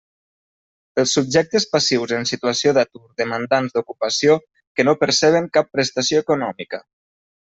Els subjectes passius en situació d'atur demandants d'ocupació que no perceben cap prestació econòmica.